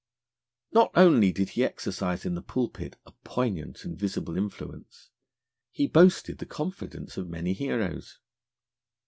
Not only did he exercise in the pulpit a poignant and visible influence. He boasted the confidence of many heroes.